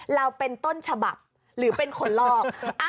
เราเป็นต้นฉบับหรือเป็นคนลอก